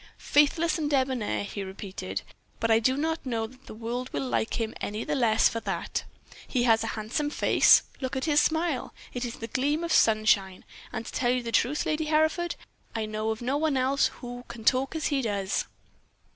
"'Faithless and debonair,' he repeated. 'But I do not know that the world will like him any the less for that. He has a handsome face. Look at his smile; it is like a gleam of sunshine. And, to tell you the truth, Lady Hereford, I know of no one else who can talk as he does.'